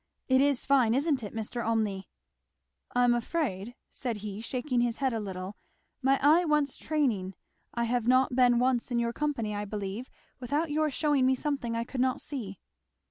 It is fine, isn't it, Mr. Olmney?" "I am afraid," said he shaking his head a little, "my eye wants training. I have not been once in your company I believe without your shewing me something I could not see."